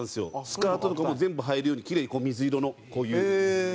スカートとかも全部入るようにキレイに水色のこういう。